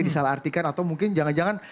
disalah artikan atau mungkin jangan jangan